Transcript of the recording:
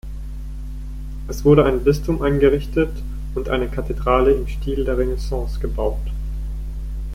Es wurde ein Bistum eingerichtet und eine Kathedrale im Stil der Renaissance gebaut.